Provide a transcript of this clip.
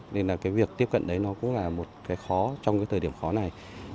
nên là cái việc tiếp cận đấy nó cũng là một cái khó trong cái thời điểm khó này